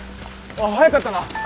ああ早かったな。